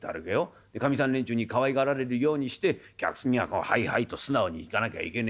かみさん連中にかわいがられるようにして客には『はいはい』と素直にいかなきゃいけねえ。